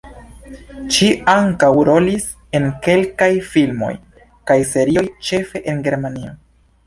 Ŝi ankaŭ rolis en kelkaj filmoj kaj serioj, ĉefe en Germanio.